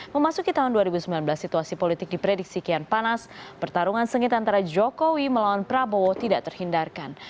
memasuki tahun dua ribu sembilan belas situasi politik diprediksi kian panas pertarungan sengit antara jokowi melawan prabowo tidak terhindarkan